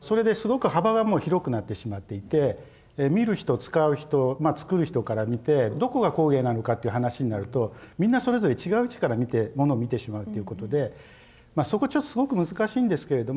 それですごく幅がもう広くなってしまっていて見る人使う人まあ作る人から見てどこが工芸なのかという話になるとみんなそれぞれ違う位置から見てものを見てしまうということでまあそこすごく難しいんですけれども。